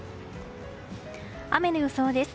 雨の予想です。